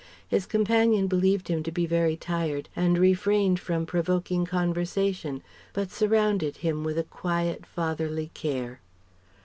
His companion believed him to be very tired, and refrained from provoking conversation, but surrounded him with a quiet, fatherly care.